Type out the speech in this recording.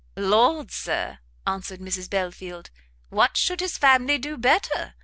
"Lord, Sir," answered Mrs Belfield, "what should his family do better?